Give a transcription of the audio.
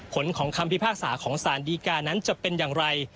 ผลของคำพิพากษาของสารดีการนั้นจะเป็นอย่างไร